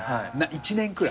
１年くらい？